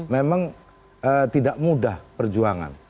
memang tidak mudah perjuangan